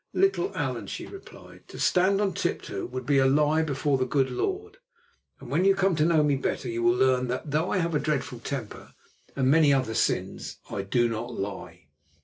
"Little Allan," she replied, "to stand on tiptoe would be to lie before the good Lord, and when you come to know me better you will learn that, though I have a dreadful temper and many other sins, I do not lie."